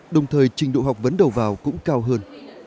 đồng thời trình độ học vấn đầu vào cũng cao hơn